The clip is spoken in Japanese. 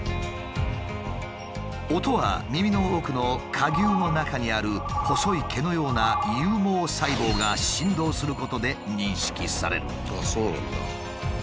音は耳の奥の蝸牛の中にある細い毛のような有毛細胞が振動することで認識される。